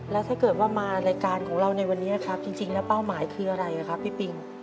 แล้วถ้าเกิดว่ามารายการของเราในวันนี้ครับจริงแล้วเป้าหมายคืออะไรครับพี่ปิง